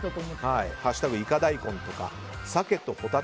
「＃いか大根母作」とか